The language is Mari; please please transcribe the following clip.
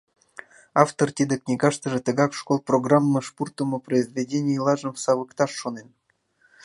Автор тиде книгаштыже тыгак школ программыш пуртымо произведенийлажым савыкташ шонен.